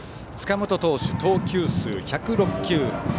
塚本投手、投球数は１０６球。